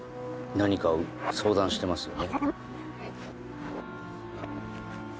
何かを相談してますよね。